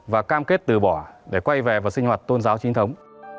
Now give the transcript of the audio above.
và cam kết từ bỏ để quay về vào sinh hoạt tôn giáo chính thống